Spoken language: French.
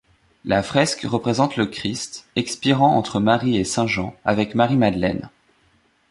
La fresque représente le Christ expirant entre Marie et Saint Jean, avec Marie Madeleine.